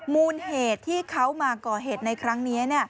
มูลเหตุที่เขามาก่อเหตุในครั้งนี้